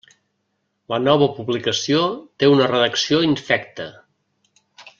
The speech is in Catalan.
La nova publicació té una redacció infecta.